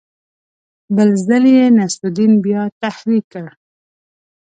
بل ځل یې نصرالدین بیا تحریک کړ.